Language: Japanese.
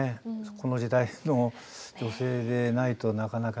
この時代の女性でないとなかなか。